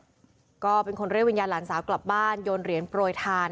พอสำหรับบ้านเรียบร้อยแล้วทุกคนก็ทำพิธีอัญชนดวงวิญญาณนะคะแม่ของน้องเนี้ยจุดทูปเก้าดอกขอเจ้าทาง